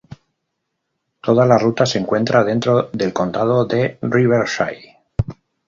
Toda la ruta se encuentra dentro del condado de Riverside.